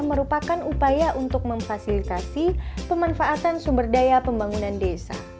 merupakan upaya untuk memfasilitasi pemanfaatan sumber daya pembangunan desa